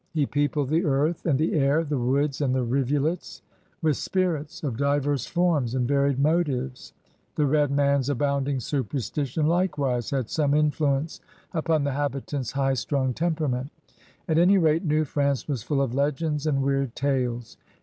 He peopled the earth and the air, the woods and the rivulets, with spirits of diverse forms and varied motives. The red man's abounding superstition, likewise, had some influence upon the habitant's highstrung tempera ment. At any rate, New Prance was full of legends and weird tales.